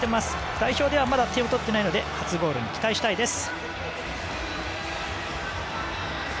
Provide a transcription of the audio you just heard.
代表ではまだ点を取っていないので初ゴールに期待したいです。